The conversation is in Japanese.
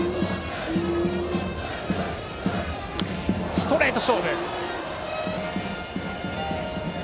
ストレート勝負。